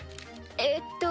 えっと